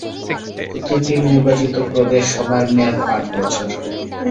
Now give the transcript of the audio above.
প্রতিটি নির্বাচিত প্রদেশ সভার মেয়াদ পাঁচ বছর।